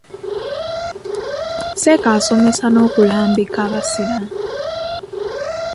Seeka asomesa n'okulambika abasiraamu.